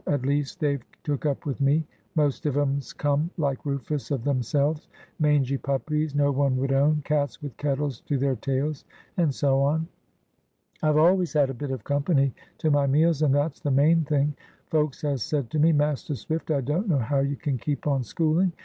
At least, they've took up with me. Most of 'em's come, like Rufus, of themselves. Mangy puppies no one would own, cats with kettles to their tails, and so on. I've always had a bit of company to my meals, and that's the main thing. Folks has said to me, 'Master Swift, I don't know how you can keep on schooling.